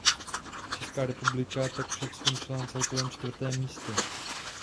Česká republika tak skončila na celkovém čtvrtém místě.